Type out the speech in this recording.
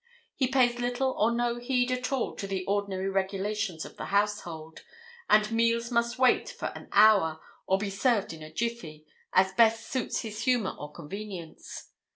He pays little or no heed at all to the ordinary regulations of the household, and meals must wait for an hour, or be served in a jiffy, as best suits his humor or convenience.